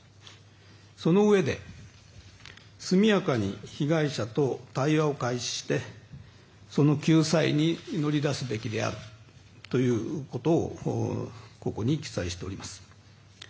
そのうえで、速やかに被害者と対話を開始してその救済に乗り出すべきであるということをここに記載しております。